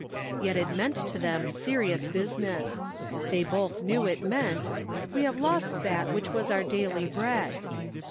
Yet it meant to them serious business; they both knew it meant: "We have lost that which was our daily bread."